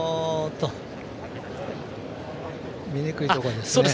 見にくいところですね。